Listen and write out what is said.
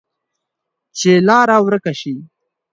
چې لار ورکه شي،